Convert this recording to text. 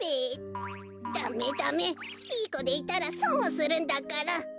ダメダメいいこでいたらそんをするんだから！